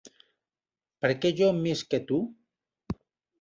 Per què jo més que tu?